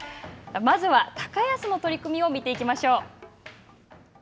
まずは、高安の取組を見ていきましょう。